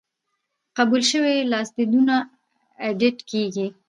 قبول شوي لاسوندونه ایډیټ کیږي.